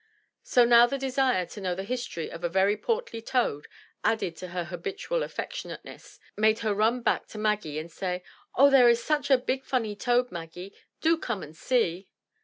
So now the desire to know the history of a very portly toad, added to her habitual affectionate ness, made her run back to Maggie and say, "Oh, there is such a big funny toad, Maggie! Do come and see!"